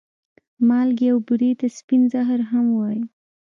مالګې او بورې ته سپين زهر هم وايې